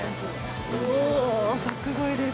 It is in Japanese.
おお、柵越えです。